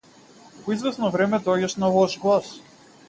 По извесно време доаѓаш на лош глас.